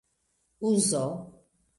uzo